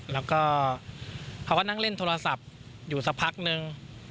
แล้วก็เขาก็นั่งเล่นโทรศัพท์อยู่สักพักนึง